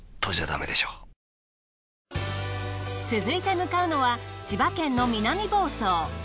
続いて向かうのは千葉県の南房総。